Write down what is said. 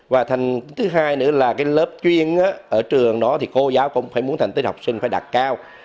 và thứ hai nữa là lớp chuyên ở trường đó cô giáo cũng muốn thành tích học sinh đạt cao